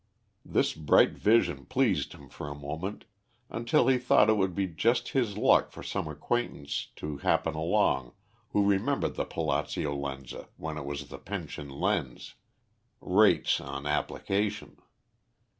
This bright vision pleased him for a moment, until he thought it would be just his luck for some acquaintance to happen along who remembered the Palazzio Lenza when it was the Pension Lenz rates on application.